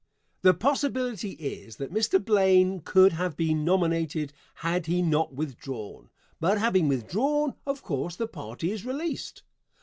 The possibility is that Mr. Blaine could have been nominated had he not withdrawn, but having withdrawn, of course the party is released.